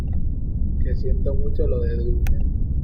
que siento mucho lo de Dulce.